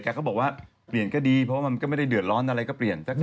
เขาบอกว่าเปลี่ยนก็ดีเพราะว่ามันก็ไม่ได้เดือดร้อนอะไรก็เปลี่ยน